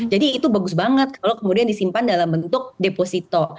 jadi itu bagus banget kalau kemudian disimpan dalam bentuk deposito